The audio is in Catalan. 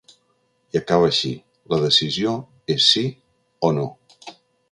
I acaba així: La decisió és sí o no.